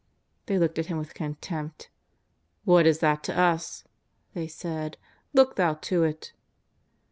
They looked at him with contempt. ^^ What is that to us ?" they said ;^' look thou to it."